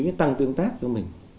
với tăng tương tác của mình